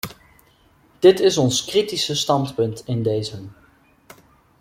Dit is ons kritische standpunt in dezen.